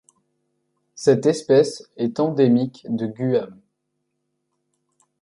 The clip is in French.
Cette espèce est endémique de Guam.